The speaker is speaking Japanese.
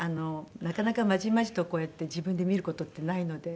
なかなかまじまじとこうやって自分で見る事ってないので。